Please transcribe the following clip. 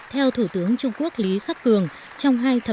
theo thủ tướng trung quốc lý khắc cường trong hai thập niên qua